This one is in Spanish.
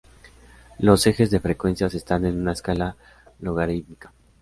Los ejes de frecuencias están en una escala logarítmica.